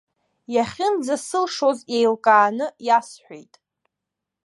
Иахьынӡасылшоз еилкааны иасҳәеит.